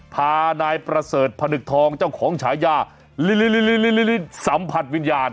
พานายประเสริฐพนึกทองเจ้าของฉายาลิสัมผัสวิญญาณ